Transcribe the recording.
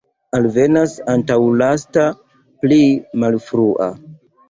Alvenas antaulasta, pli malfrua.